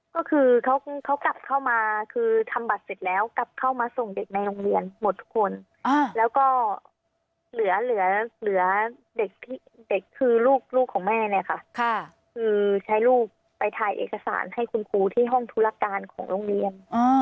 ก็คือเขากลับเข้ามาคือทำบัตรเสร็จแล้วกลับเข้ามาส่งเด็กในโรงเรียนหมดทุกคนแล้วก็เหลือเด็กคือลูกของแม่เนี่ยค่ะคือใช้ลูกไปถ่ายเอกสารให้คุณครูที่ห้องธุรการของโรงเรียน